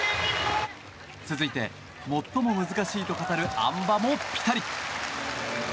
続いて、最も難しいと語るあん馬もピタリ。